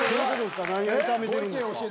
何を痛めてるんですか？